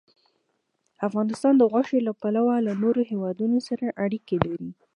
افغانستان د غوښې له پلوه له نورو هېوادونو سره اړیکې لري.